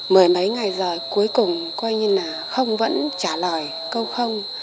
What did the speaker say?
mười mấy ngày rồi cuối cùng coi như là không vẫn trả lời câu không